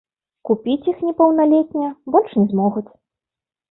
Купіць іх непаўналетнія больш не змогуць.